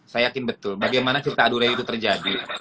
saya yakin betul bagaimana cerita adura itu terjadi